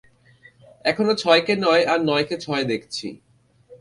এখনো ছয়কে নয় আর নয়কে ছয় দেখছি।